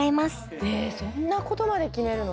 そんなことまで決めるの？